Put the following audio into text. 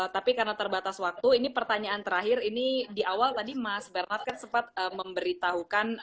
tapi karena terbatas waktu ini pertanyaan terakhir ini di awal tadi mas bernard kan sempat memberitahukan